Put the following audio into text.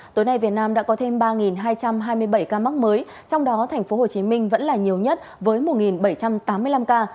tối nay việt nam đã có thêm ba hai trăm hai mươi bảy ca mắc mới trong đó tp hcm vẫn là nhiều nhất với một bảy trăm tám mươi năm ca